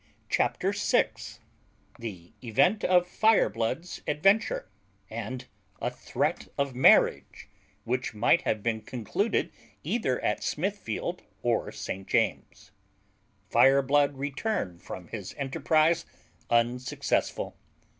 CHAPTER SIX THE EVENT OF FIREBLOOD'S ADVENTURE; AND A THREAT OF MARRIAGE, WHICH MIGHT HAVE BEEN CONCLUDED EITHER AT SMITHFIELD OR ST. JAMES'S. Fireblood returned from his enterprise unsuccessful.